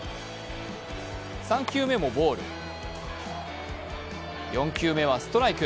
３球目もボール、４球目はストライク。